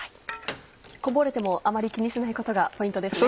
こぼれてもあまり気にしないことがポイントですね。